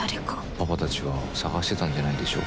「パパたちは探してたんじゃないでしょうか」